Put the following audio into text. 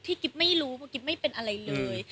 กิ๊บไม่รู้เพราะกิ๊บไม่เป็นอะไรเลย